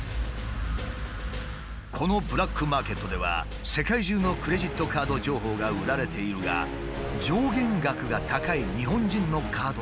このブラックマーケットでは世界中のクレジットカード情報が売られているが上限額が高い日本人のカード情報は特に人気があるという。